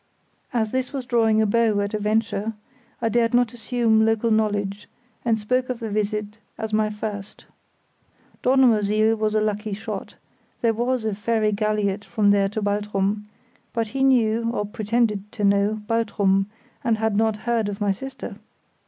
As this was drawing a bow at a venture, I dared not assume local knowledge, and spoke of the visit as my first. Dornumersiel was a lucky shot; there was a ferry galliot from there to Baltrum; but he knew, or pretended to know, Baltrum, and had not heard of my sister.